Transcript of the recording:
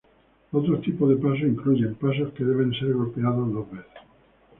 Otros tipos de pasos incluyen pasos que deben ser golpeados dos veces.